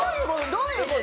どういう事？